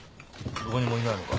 どこにもいないのか？